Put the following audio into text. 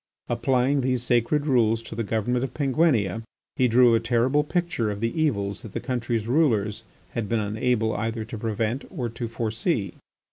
Applying these sacred rules to the government of Penguinia, he drew a terrible picture of the evils that the country's rulers had been unable either to prevent or to foresee.